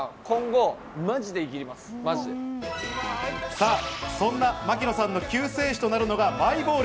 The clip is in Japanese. さあ、そんな槙野さんの救世主となるのが、マイボール。